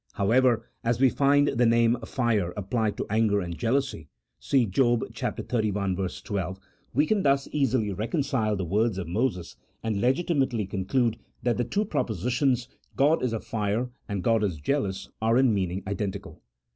However, as we find the name fire applied to anger and jealousy (see Job xxxi. 12) we can thus easily reconcile the words of Moses, and legitimately conclude that the two propositions God is a fire, and God is jealous, are in meaning identical.